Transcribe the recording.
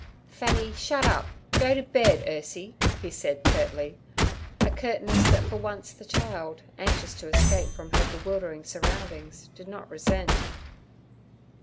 'Fanny, shut up! Go to bed, Ursie' he said curtly—a curtness that for once the child, anxious to escape from her bewildering surroundings, did not resent.